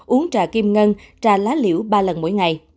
uống trà kim ngân trà lá liễu ba lần mỗi ngày